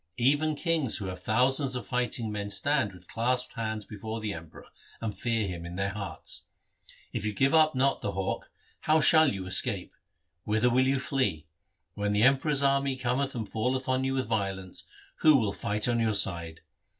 Even kings who have thousands of fighting men stand with clasped hands before the Emperor, and fear him in their hearts. If you give not up the hawk, how shall you escape ? Whither will you flee? When the Emperor's army cometh and falleth on you with violence, who will fight on your side